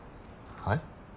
はい？